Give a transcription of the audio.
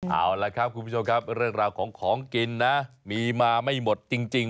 เอาละครับคุณผู้ชมครับเรื่องราวของของกินนะมีมาไม่หมดจริง